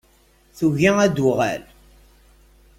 Tugi ad d-tuɣal.